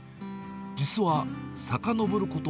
実はさかのぼること